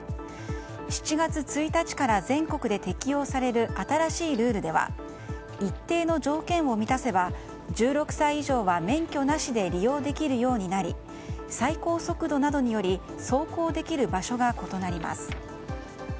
７月１日から全国で適用される新しいルールでは一定の条件を満たせば１６歳以上は免許なしで利用できるようになり最高速度などにより走行できる場所が異なります。